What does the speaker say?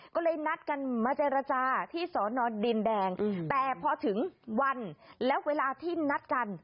ก็เลยนัดกันมาเจรจาที่สอนอดินแดงแต่พอถึงวันและเวลาที่นัดกัน